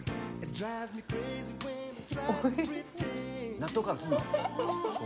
納豆感するの？